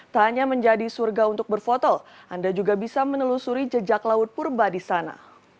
tak hanya menjadi surga untuk berfoto anda juga bisa menelusuri jejak laut purba di sana